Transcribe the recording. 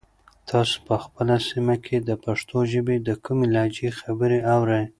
تاسو په خپله سیمه کې د پښتو ژبې د کومې لهجې خبرې اورئ؟